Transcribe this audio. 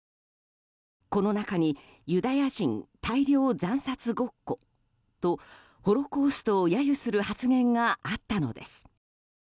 この中にユダヤ人大量惨殺ごっことホロコーストを揶揄する発言があったのです。